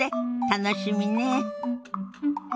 楽しみねえ。